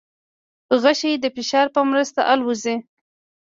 غشی د فشار په مرسته الوزي.